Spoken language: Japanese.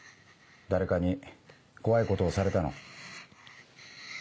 誰かに怖いことをされたの？